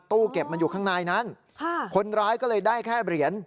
ตู้เก็บมันอยู่ข้างในนั้นคนร้ายก็เลยได้แค่เหรียญ